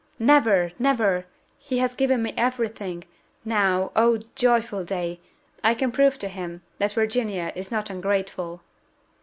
"Never! never! he has given me every thing. Now oh, joyful day! I can prove to him that Virginia is not ungrateful!"